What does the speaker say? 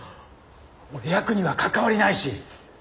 俺ヤクには関わりないし。